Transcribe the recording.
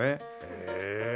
へえ。